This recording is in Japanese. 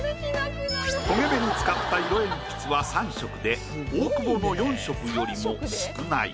焦げ目に使った色鉛筆は３色で大久保の４色よりも少ない。